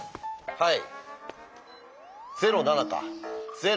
はい。